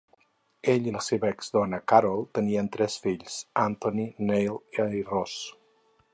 Ell i la seva ex-dona Carol tenien tres fills, Anthony, Neil i Ross.